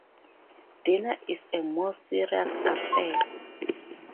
Dinner is a more serious affair.